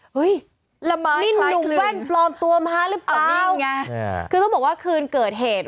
ละม้านี่หนุ่มแว่นปลอมตัวมาหรือเปล่านี่ไงคือต้องบอกว่าคืนเกิดเหตุ